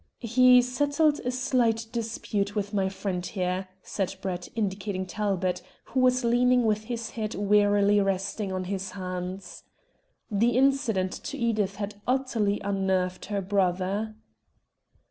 "He settled a slight dispute with my friend here," said Brett, indicating Talbot, who was leaning with his head wearily resting on his hands. The accident to Edith had utterly unnerved her brother.